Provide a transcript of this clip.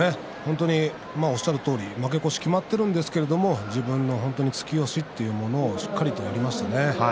おっしゃるとおり負け越しが決まっているんですけれども、自分の突き押しというものをしっかりとやりましたね。